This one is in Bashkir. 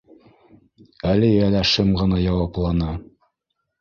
— Әлиә лә шым ғына яуапланы.